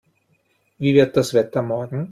Wie wird das Wetter morgen?